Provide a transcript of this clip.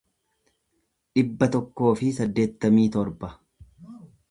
dhibba tokkoo fi saddeettamii torba